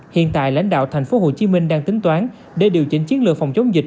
hiện tại lãnh đạo tp hcm đang tính toán để điều chỉnh chiến lược phòng chống dịch